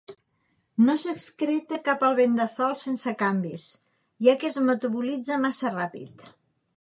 No s'excreta cap albendazol sense canvis, ja que es metabolitza massa ràpid.